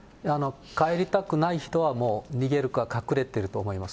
帰りたくない人はもう逃げるか隠れてると思います。